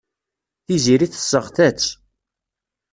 Tiziri tesseɣta-tt.